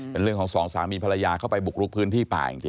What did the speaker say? เป็นเรื่องของสองสามีภรรยาเข้าไปบุกลุกพื้นที่ป่าจริง